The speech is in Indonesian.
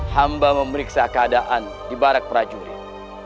hamba memeriksa keadaan di barak prajurit